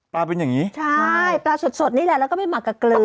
เป็นอย่างนี้ใช่ปลาสดสดนี่แหละแล้วก็ไปหมักกับเกลือ